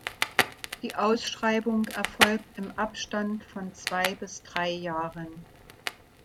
Die Ausschreibung erfolgt im Abstand von zwei bis drei Jahren.